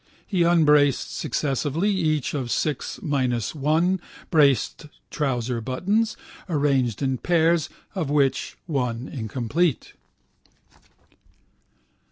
He unbraced successively each of six minus one braced trouser buttons, arranged in pairs, of which one incomplete.